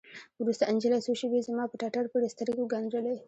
وروسته نجلۍ څو شېبې زما په ټټر پورې سترګې وگنډلې.